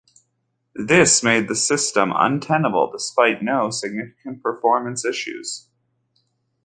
This made the system untenable despite no significant performance issues.